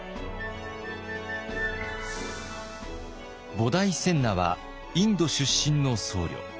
菩提僊那はインド出身の僧侶。